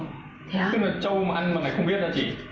mà mọi người không biết đó chị